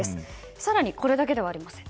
更にこれだけではありません。